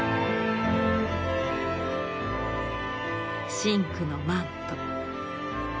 深紅のマント